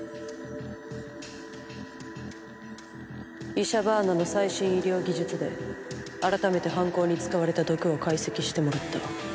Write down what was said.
イシャバーナの最新医療技術で改めて犯行に使われた毒を解析してもらった。